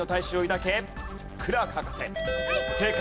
正解。